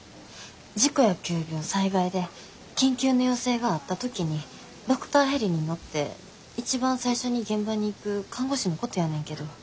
事故や急病災害で緊急の要請があった時にドクターヘリに乗って一番最初に現場に行く看護師のことやねんけど。